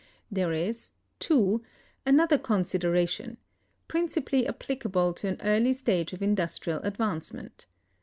(267) There is (2) another consideration, principally applicable to an early stage of industrial advancement.